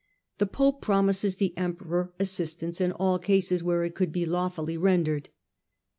The pope pro mises the emperor assistance in all cases where it could be lawfully rendered.